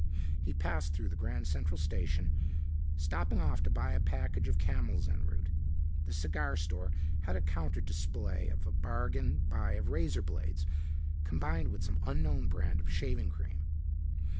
He passed through the Grand Central Station, stopping off to buy a package of Camels en route. The cigar store had a counter display of a bargain buy of razor blades combined with some unknown brand of shaving cream.